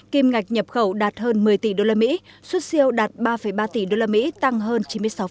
kim ngạch nhập khẩu đạt hơn một mươi tỷ usd xuất siêu đạt ba ba tỷ usd tăng hơn chín mươi sáu